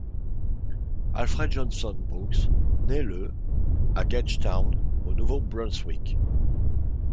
Alfred Johnson Brooks naît le à Gagetown, au Nouveau-Brunswick.